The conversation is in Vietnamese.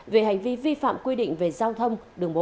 về hành vi vi phạm quy định về giao thông đường bộ